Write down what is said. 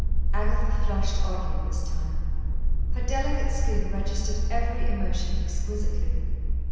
Agatha flushed oddly this time. Her delicate skin registered every emotion exquisitely.